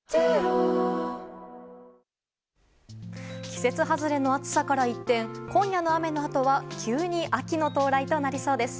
季節外れの暑さから一転今夜の雨のあとは急に秋の到来となりそうです。